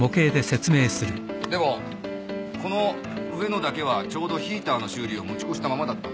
でもこの上のだけはちょうどヒーターの修理を持ち越したままだったんで。